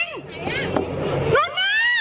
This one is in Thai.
ล่วงจริง